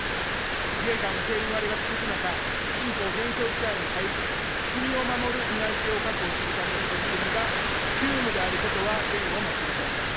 自衛官の定員割れが続く中、人口減少時代に入り、国を守る担い手を確保するための取り組みが急務であることは言をまちません。